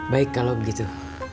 baik kalau begitu